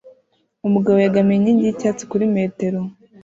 Umugabo yegamiye inkingi yicyatsi muri metero